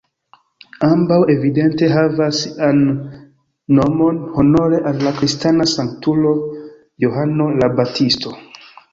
Ambaŭ evidente havas sian nomon honore al la kristana sanktulo Johano la Baptisto.